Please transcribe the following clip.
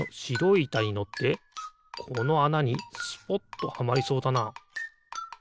いたにのってこのあなにスポッとはまりそうだな。